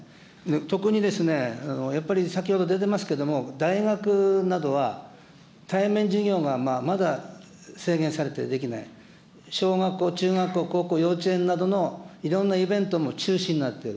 特に、やっぱり先ほど出てますけれども、大学などは対面授業がまだ制限されてできない、小学校、中学校、高校、幼稚園などのいろんなイベントも中止になっている。